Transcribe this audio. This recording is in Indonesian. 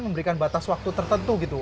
memberikan batas waktu tertentu gitu